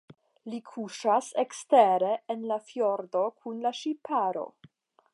Li kuŝas ekstere en la fjordo kun la ŝiparo.